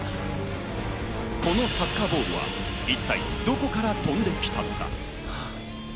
このサッカーボールは一体どこから飛んできたのか？